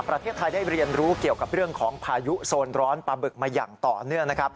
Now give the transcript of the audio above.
ประเทศไทยได้เรียนรู้เกี่ยวกับเรื่องของพายุโซนร้อนปลาบึกมาอย่างต่อเนื่องนะครับ